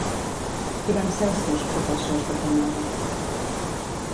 Qui van ser els seus professors de tenora?